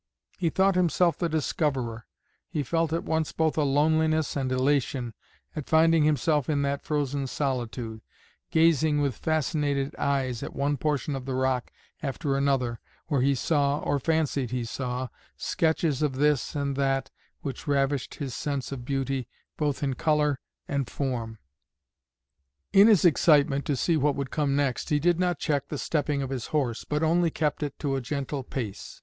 He thought himself the discoverer; he felt at once both a loneliness and elation at finding himself in that frozen solitude, gazing with fascinated eyes at one portion of the rock after another where he saw, or fancied he saw, sketches of this and that which ravished his sense of beauty both in colour and form. In his excitement to see what would come next, he did not check the stepping of his horse, but only kept it to a gentle pace.